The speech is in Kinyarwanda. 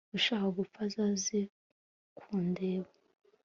Ushaka gupfa azaze kundebas